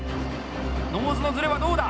ノーズのズレはどうだ？